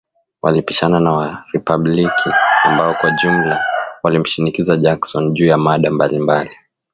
Walipishana na wa Ripabliki ambao kwa ujumla walimshinikiza Jackson, juu ya mada mbalimbali .